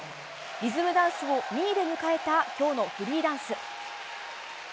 リズムダンスを２位で迎えた今日のフリーダンス。